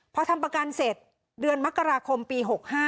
พอทำประกันเสร็จเดือนมกราคมปี๖๕